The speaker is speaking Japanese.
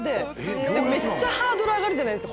めっちゃハードル上がるじゃないですか。